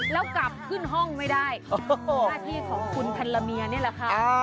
แล้วกลับขึ้นห้องไม่ได้หน้าที่ของคุณพันละเมียนี่แหละค่ะ